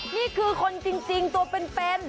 นี่คือคนจริงตัวเป็น